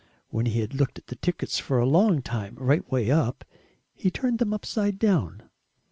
When he had looked at the tickets for a long time right way up, he turned them upside down.